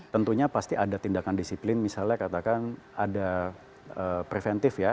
tentunya pasti ada tindakan disiplin misalnya katakan ada preventif ya